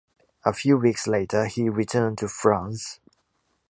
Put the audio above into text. A few weeks later he returned to France.